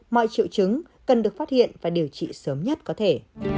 mọi triệu chứng cần được phát hiện và điều trị sớm nhất có thể